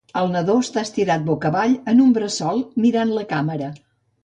El nadó està estirat boca avall en un bressol mirant la càmera.